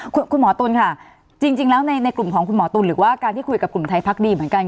คุณหมอตุ๋นค่ะจริงแล้วในกลุ่มของคุณหมอตุ๋นหรือว่าการที่คุยกับกลุ่มไทยพักดีเหมือนกัน